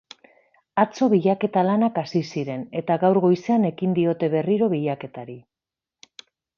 Atzo bilaketa lanak hasi ziren, eta gaur goizean ekin diote berriro bilaketari.